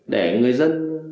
để người dân